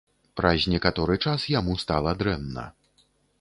Праз некаторы час яму стала дрэнна.